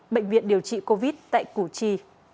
bệnh viện điều trị covid một mươi chín tại củ chi